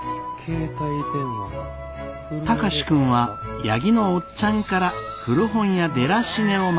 貴司君は八木のおっちゃんから古本屋デラシネを任されていました。